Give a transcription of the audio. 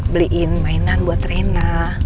beliin mainan buat reyna